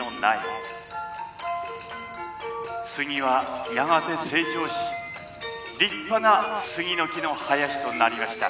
杉はやがて成長し立派な杉の木の林となりました。